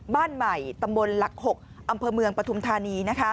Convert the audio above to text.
บ้านใหม่ตำบลหลัก๖อำเภอเมืองปฐุมธานี